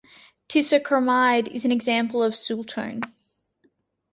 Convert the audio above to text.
Tisocromide is an example of a sultone.